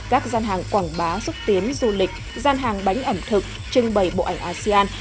các gian hàng quảng bá xúc tiến du lịch gian hàng bánh ẩm thực trưng bày bộ ảnh asean